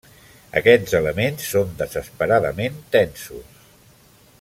Aquests elements són desesperadament tensos.